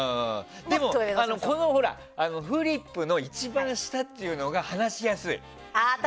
でもこのフリップの一番下っていうのが話しやすい。